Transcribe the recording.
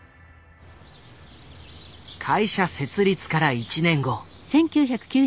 会社設立から１年後。